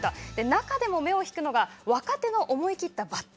中でも目を引くのが若手の思い切った抜擢。